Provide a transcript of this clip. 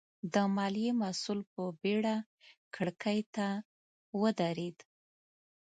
د ماليې مسوول په بېړه کړکۍ ته ودرېد.